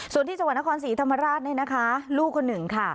ส่วนที่จังหวัดนครศรีธรรมราชเนี่ยนะคะลูกคนหนึ่งค่ะ